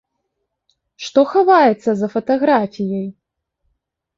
Што хаваецца за фатаграфіяй?